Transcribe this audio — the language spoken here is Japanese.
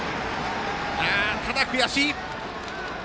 ただ、悔しい！